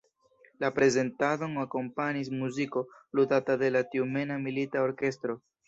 La prezentadon akompanis muziko ludata de la tjumena milita orkestro.